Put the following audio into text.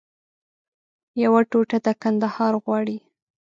یوه ټوټه د کندهار غواړي